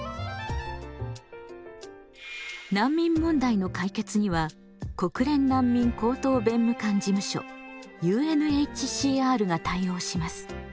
難民問題の解決には国連難民高等弁務官事務所が対応します。